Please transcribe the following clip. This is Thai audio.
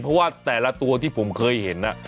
เพราะว่าแต่ละตัวที่ผมเคยเห็น